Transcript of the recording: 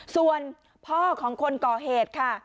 ส่วนพ่อของคนก่อเหตุค่ะ